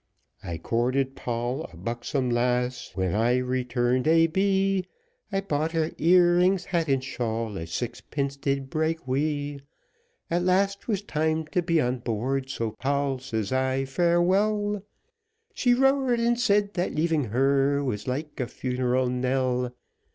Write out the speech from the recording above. I courted Poll, a buxom lass; when I returned A B, I bought her ear rings, hat, and shawl, a sixpence did break we; At last 'twas time to be on board, so, Poll, says I, farewell; She roared and said, that leaving her was like a funeral knell.